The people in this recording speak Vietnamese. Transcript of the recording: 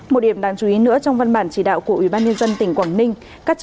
một điểm đáng chú ý nữa trong văn bản chỉ đạo của ủy ban nhân dân tỉnh quảng ninh